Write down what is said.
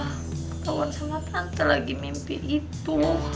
ketahuan sama tante lagi mimpi itu